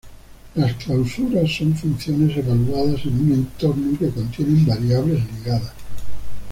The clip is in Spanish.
Las clausuras son funciones evaluadas en un entorno que contienen variables ligadas.